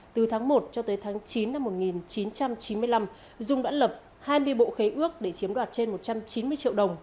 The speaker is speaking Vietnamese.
từ tháng một cho tới tháng chín năm một nghìn chín trăm chín mươi năm dung đã lập hai mươi bộ khấy ước để chiếm đoạt trên một trăm chín mươi triệu đồng